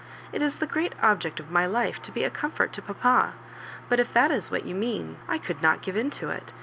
It is the great object of my life to be a comfort to papa; but if that is what you mean, I could not give in to it.